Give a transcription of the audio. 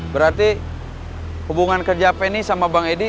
berarti hubungan kerja penny sama temennya gak jalan ya